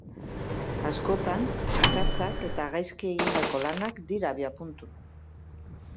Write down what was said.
Askotan, akatsak eta gaizki egindako lanak dira abiapuntu.